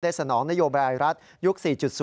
สนองนโยบายรัฐยุค๔๐